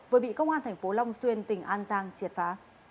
vừa bị công an tp long xuyên tỉnh an giang triệt phá